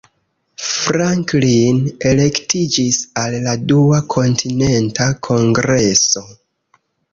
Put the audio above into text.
Franklin elektiĝis al la Dua Kontinenta Kongreso.